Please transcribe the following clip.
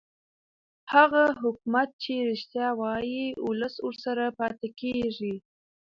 هغه حکومت چې رښتیا وايي ولس ورسره پاتې کېږي